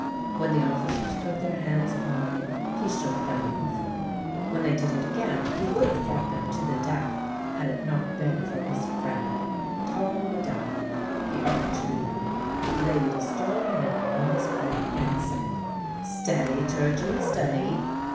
When the oflficers put their hands upon him he shook them ofT ; when they did it again he would have fought them to the death had it not been for his friend, tall Medallion, the auctioneer, who laid a strong hand on his arm and said, " Steady, Turgeon, steady